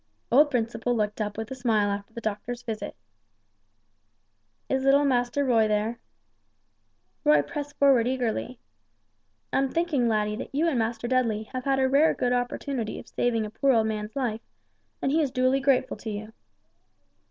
Old Principle looked up with a smile after the doctor's visit. "Is little Master Roy there?" Roy pressed forward eagerly. "I'm thinking, laddie, that you and Master Dudley have had a rare good opportunity of saving a poor old man's life, and he is duly grateful to you."